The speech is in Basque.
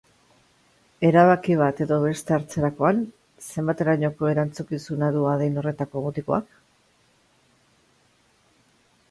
Erabaki bat edo beste hartzerakoan zenbaterainoko erantzunkizuna du adin horretako mutikoak?